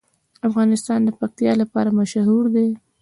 افغانستان د پکتیا لپاره مشهور دی.